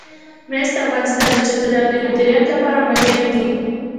مس د افغانستان د چاپیریال د مدیریت لپاره مهم دي.